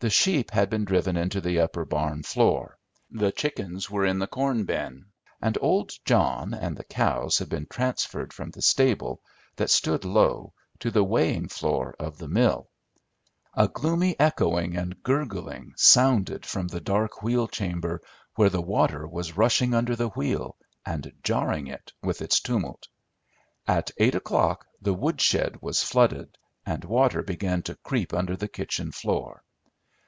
The sheep had been driven into the upper barn floor: the chickens were in the corn bin; and old John and the cows had been transferred from the stable, that stood low, to the weighing floor of the mill. A gloomy echoing and gurgling sounded from the dark wheel chamber where the water was rushing under the wheel and jarring it with its tumult. At eight o'clock the woodshed was flooded and water began to creep under the kitchen door.